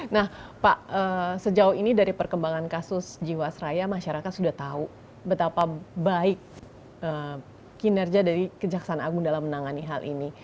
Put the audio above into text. nah pak sejauh ini dari perkembangan kasus jiwasraya masyarakat sudah tahu betapa baik kinerja dari kejaksaan agung dalam menangani hal ini